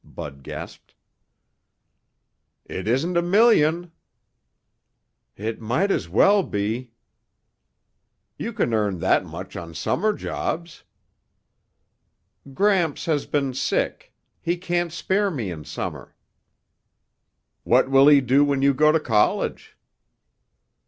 Bud gasped. "It isn't a million." "It might as well be!" "You can earn that much on summer jobs." "Gramps has been sick. He can't spare me in summer." "What will he do when you go to college?"